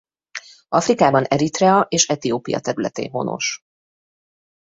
Afrikában Eritrea és Etiópia területén honos.